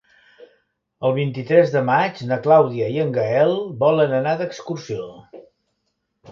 El vint-i-tres de maig na Clàudia i en Gaël volen anar d'excursió.